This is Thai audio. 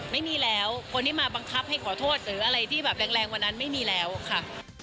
ไม่มีแล้วคนที่มาบังคับให้ขอโทษหรืออะไรที่แบบแรงวันนั้นไม่มีแล้วค่ะ